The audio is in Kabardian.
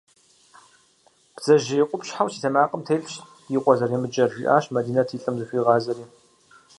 Бдзэжьей къупщхьэу си тэмакъым телъщ ди къуэр зэремыджэр, – жиӀащ Мадинэт, и лӀым зыхуигъазэри.